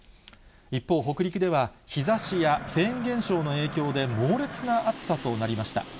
一方、北陸では、日ざしやフェーン現象の影響で、猛烈な暑さとなりました。